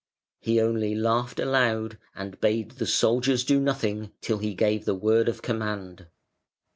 He only laughed aloud, and bade the soldiers do nothing till he gave the word of command.